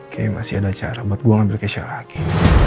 kayaknya masih ada cara buat gue ngambil kece lagi